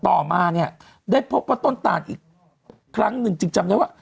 ต่อมาเนี่ยได้พบว่าต้นตานอีกครั้งหนึ่งจึงจำได้ว่า